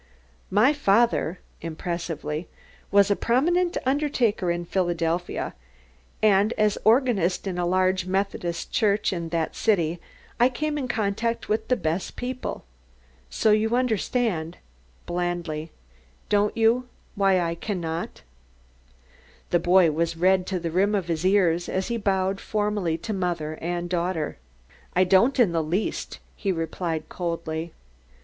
My father," impressively, "was a prominent undertaker in Philadelphia, and as organist in a large Methodist church in that city I came in contact with the best people, so you understand," blandly, "don't you, why I cannot " The boy was red to the rim of his ears as he bowed formally to mother and daughter. "I don't in the least," he replied, coldly.